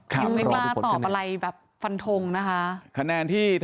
ยังไม่กล้าตอบอะไรแบบฟันทงนะคะ